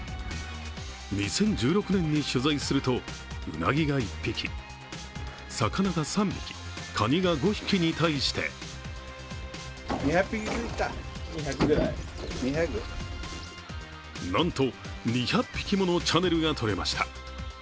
２０１６年に取材するとうなぎが１匹、魚が３匹、かにが５匹に対してなんと、２００匹ものチャネルがとれました。